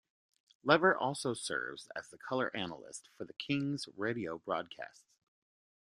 Lever also serves as the color analyst for the Kings radio broadcasts.